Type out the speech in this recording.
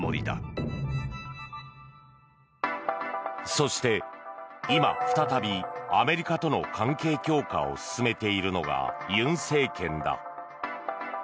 そして、今再びアメリカとの関係強化を進めているのが尹政権だ。